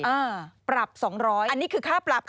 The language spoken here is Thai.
อ่าปรับสองร้อยอันนี้คือค่าปรับค่ะ